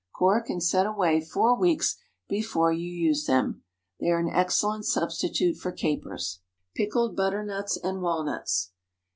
Cork, and set away four weeks before you use them. They are an excellent substitute for capers. PICKLED BUTTERNUTS AND WALNUTS.